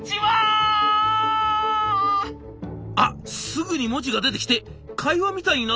「あすぐに文字が出てきて会話みたいになった！